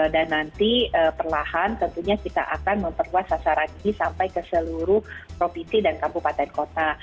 dan nanti perlahan tentunya kita akan memperluas sasaran ini sampai ke seluruh provinsi dan kabupaten kota